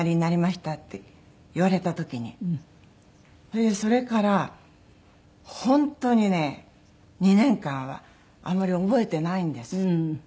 それでそれから本当にね２年間はあまり覚えていないんです。